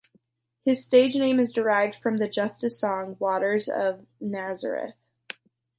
His stage name is derived from the Justice song "Waters of Nazareth".